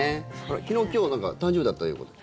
昨日、今日だか誕生日だったということで。